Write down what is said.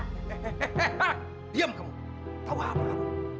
hehehehe diam kamu tau apa apa